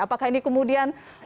apakah ini kemudian